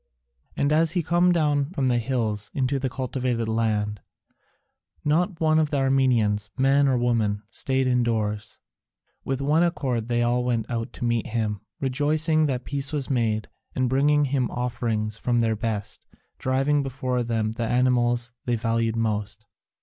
And as he come down from the hills into the cultivated land, not one of the Armenians, man or woman, stayed indoors: with one accord they all went out to meet him, rejoicing that peace was made, and bringing him offerings from their best, driving before them the animals they valued most.